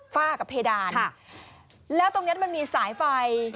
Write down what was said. ฝ้ากับเพดานแล้วตรงเนี้ยมันมีสายไฟ